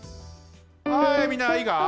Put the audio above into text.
はいみんないいか？